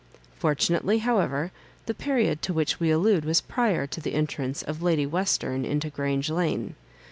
Fortunately, however, the period to which we allude was prior to the entrance of Lady Western into Grange Lane.